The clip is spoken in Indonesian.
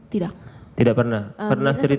tidak tidak pernah